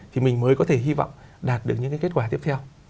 thì mình mới có thể hy vọng đạt được những cái kết quả tiếp theo